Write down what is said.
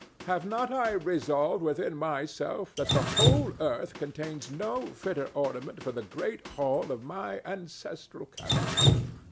Have not I resolved within myself that the whole earth contains no fitter ornament for the great hall of my ancestral castle?